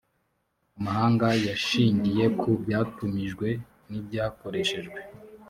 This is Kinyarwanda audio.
amahanga yashingiye ku byatumijwe n’ibyakoreshejwe.